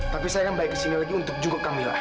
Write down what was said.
tapi saya akan balik ke sini lagi untuk jumpa kamila